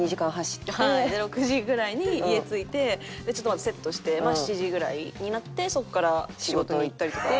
６時ぐらいに家着いてちょっとセットして７時ぐらいになってそこから仕事行ったりとか。